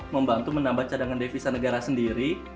membantu menambah cadangan devisa negara sendiri